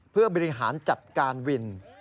เพื่อบริหารจัดการวิน